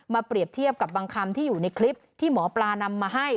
เปรียบเทียบกับบางคำที่อยู่ในคลิปที่หมอปลานำมาให้